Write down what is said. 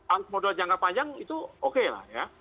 arus modal jangka panjang itu oke lah ya